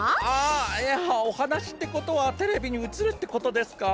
あっいやおはなしってことはテレビにうつるってことですか？